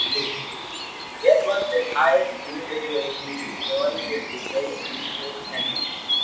^ Yet must this highest individuation be joined with the i ^ greatest mutual dependence.